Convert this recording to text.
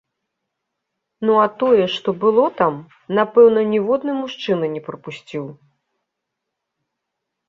Ну а тое, што было там, напэўна, ніводны мужчына не прапусціў!